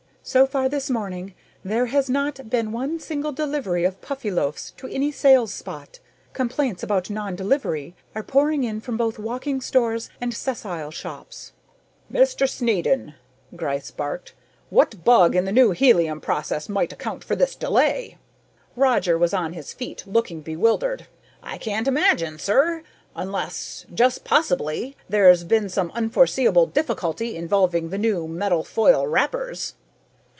So far this morning, there has not been one single delivery of Puffyloaves to any sales spot! Complaints about non delivery are pouring in from both walking stores and sessile shops." "Mr. Snedden!" Gryce barked. "What bug in the new helium process might account for this delay?" Roger was on his feet, looking bewildered. "I can't imagine, sir, unless just possibly there's been some unforeseeable difficulty involving the new metal foil wrappers."